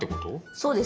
そうです。